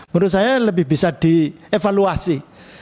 menurut saya lebih bisa dievaluasi